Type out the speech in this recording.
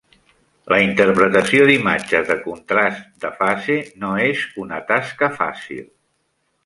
La interpretació d'imatges de contrast de fase no és una tasca fàcil.